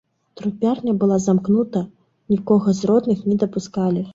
Трупярня была замкнута, нікога з родных не дапускалі.